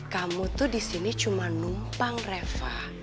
kamu tuh disini cuma numpang reva